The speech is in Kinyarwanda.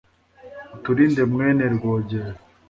utulinde mwene rwogera